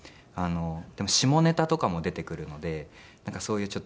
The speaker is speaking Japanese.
でも下ネタとかも出てくるのでなんかそういうちょっと。